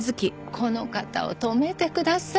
この方を止めてください。